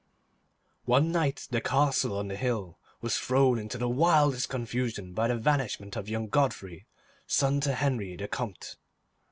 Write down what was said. One night the castle on the hill was thrown into the wildest confusion by the vanishment of young Godfrey, son to Henri, the Comte.